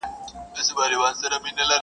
قسمت به حوري درکړي سل او یا په کرنتین کي!!